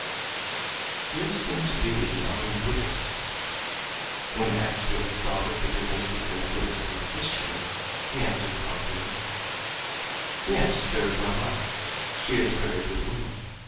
Here seemed to be an ardent Buddhist. When asked what he thought as the difference between a Buddhist and a Christian, he answered promptly: "Yes, there is my wife. She is a very good woman.